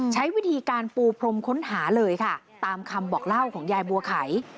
ใช้วิธีการปูพรมค้นหาเลยค่ะตามคำบอกเล่าของยายบัวไข่